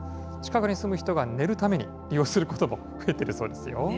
近くに住む人が寝るために利用することも増えているそうですよ。